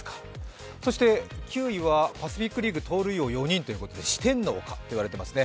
９位はパ・リーグ「盗塁王４人」ということで、四天王かと言われていますね。